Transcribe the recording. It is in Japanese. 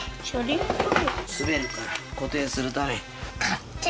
滑るから固定するために。